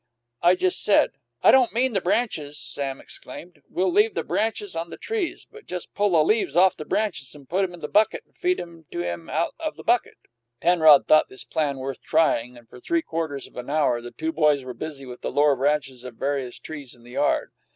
"I just said " "I don't mean the branches," Sam explained. "We'll leave the branches on the trees, but just pull the leaves off the branches and put 'em in the bucket and feed 'em to him out the bucket." Penrod thought this plan worth trying, and for three quarters of an hour the two boys were busy with the lower branches of various trees in the yard.